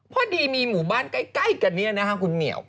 พอดีมีหมู่บ้านใกล้กันเนี่ยนะคะคุณเหมียว